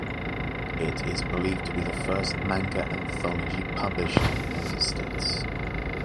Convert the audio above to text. It is believed to be the first manga anthology published in the United States.